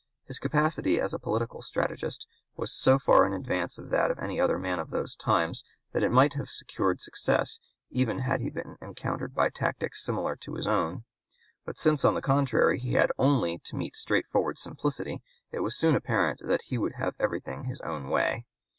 His capacity as a political strategist was so far in advance of that of any other man of those times that it might have secured success even had he been encountered by tactics similar to his (p. 193) own. But since on the contrary he had only to meet straightforward simplicity, it was soon apparent that he would have everything his own way.